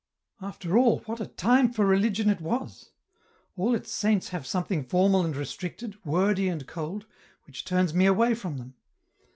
" After all, what a time for religion it was ? All its saints have something formal and restricted, wordy and cold, which turns me away from them.